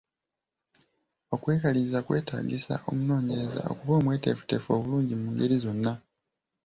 Okwekaliriza kwetaagisa omunoonyereza okuba omweteefuteefu obulungi mu ngeri zonna.